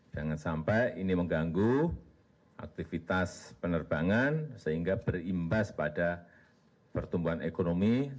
jangan sampai ini mengganggu aktivitas penerbangan sehingga berimbas pada pertumbuhan ekonomi